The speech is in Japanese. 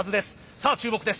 さあ注目です。